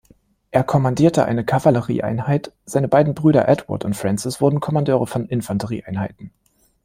Er kommandierte eine Kavallerieeinheit, seine beiden Brüder Edward und Francis wurden Kommandeure von Infanterieeinheiten.